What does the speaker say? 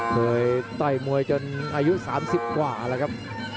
เผยไต้มวยจนอายุ๓๐กว่าก็เลยครับ